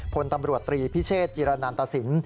พลตำรวจตรีพิเชษจิรนันตสิน